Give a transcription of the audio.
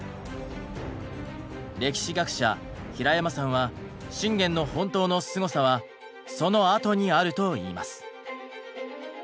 歴史学者平山さんは信玄の本当のすごさはそのあとにあると言います。